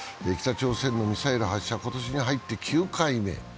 北朝鮮のミサイル発射、今年に入って９回目。